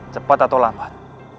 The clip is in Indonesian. cepat atau lambat